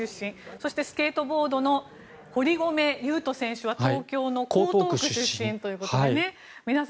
そしてスケートボードの堀米雄斗選手は東京の江東区出身ということで。